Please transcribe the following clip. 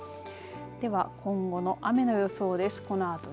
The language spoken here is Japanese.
では今後の雨の予想です。